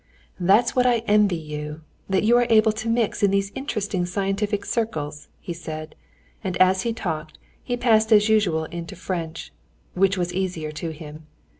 "That's what I envy you, that you are able to mix in these interesting scientific circles," he said. And as he talked, he passed as usual into French, which was easier to him.